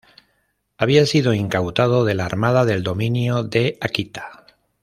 Había sido incautado de la armada del dominio de Akita.